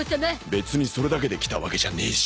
別にそれだけで来たわけじゃねーし